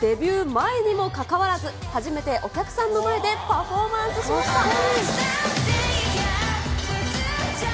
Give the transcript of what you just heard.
デビュー前にもかかわらず、初めてお客さんの前でパフォーマンスしました。